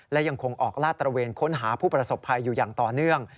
และยังคงออกลาดตระเวนค้นหาผู้ประสบภัยอยู่อย่างต่อเนื่อง